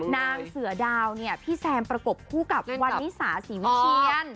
นางเสือดาวพี่แซมประกบผู้กับวันวิสาสีวิเซียน